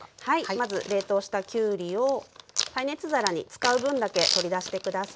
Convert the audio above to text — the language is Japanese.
まず冷凍したきゅうりを耐熱皿に使う分だけ取り出して下さい。